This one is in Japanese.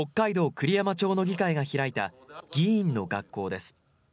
栗山町の議会が開いた議員の学校です。